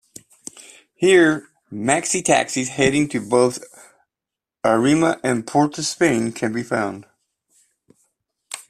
Here, Maxi taxis heading to both Arima and Port of Spain can be found.